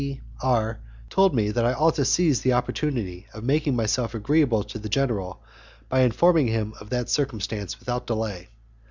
D R told me that I ought to seize the opportunity of making myself agreeable to the general by informing him of that circumstance without delay.